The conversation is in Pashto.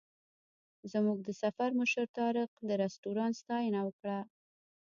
زموږ د سفر مشر طارق د رسټورانټ ستاینه وکړه.